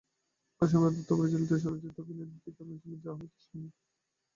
অশ্বিনীকুমার দত্ত পরিচালিত চলচ্চিত্রটিতে অভিনয় করেন ঋত্বিকা সেন এবং মির্জা আহমেদ ইস্পাহানি।